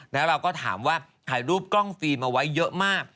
แล้วเราก็ถามว่าถ่ายรูปกล้องฟิล์มเอาไว้เยอะมาก